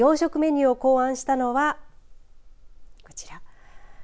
洋食メニューを考案したのはこちら。